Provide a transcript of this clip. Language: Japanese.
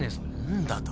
んだと？